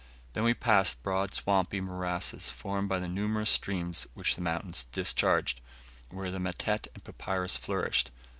Then we passed broad swampy morasses, formed by the numerous streams which the mountains discharged, where the matete and papyrus flourished.